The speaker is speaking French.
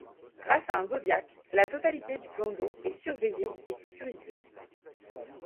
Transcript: Grâce à un zodiac, la totalité du plan d'eau est surveillé et sécurisé.